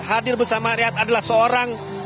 hadir bersama rakyat adalah seorang